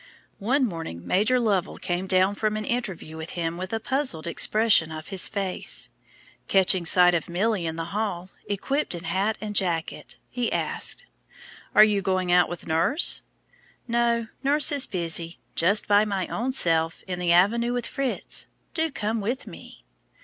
One morning Major Lovell came down from an interview with him with a puzzled expression of face. Catching sight of Milly in the hall, equipped in hat and jacket, he asked, "Are you going out with nurse?" "No, nurse is busy just by my own self, in the avenue with Fritz. Do come with me."